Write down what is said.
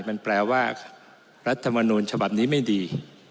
มันแปลว่ารัฐมนูลฉบับนี้ไม่ดี